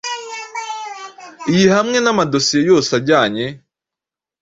Iyi hamwe namadosiye yose ajyanye